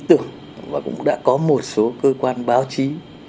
ý tưởng và cũng đã có một số cơ quan báo chí